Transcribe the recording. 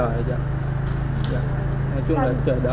nói chung là chờ đợi